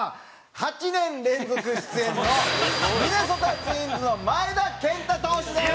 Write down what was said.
８年連続出演のミネソタ・ツインズの前田健太投手です！